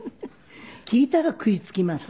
聞いたら食いつきます。